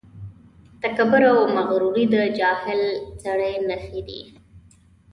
تکبر او مغروري د جاهل سړي نښې دي.